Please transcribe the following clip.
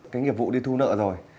cái nghiệp vụ đi thu nợ rồi